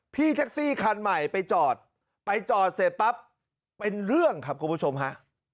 พี่แท็กซี่คันใหม่ไปจอดไปจอดเสร็จปั๊บเป็นเรื่องครับคุณผู้ชมฮะ